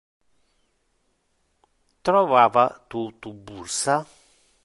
Trovava tu tu bursa?